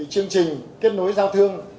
chương trình kết nối giao thương